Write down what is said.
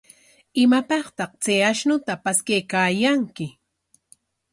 ¿Imapaqtaq chay ashnuta paskaykaayanki?